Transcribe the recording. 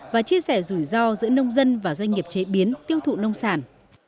và chia sẻ rủi ro giữa nông dân và doanh nghiệp chế biến tiêu thụ nông sản